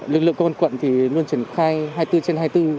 lực lượng công an quận luôn triển khai hai mươi bốn trên hai mươi bốn